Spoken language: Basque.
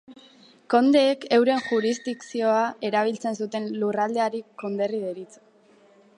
Kondeek euren jurisdikzioa erabiltzen zuten lurraldeari, konderri deritzo.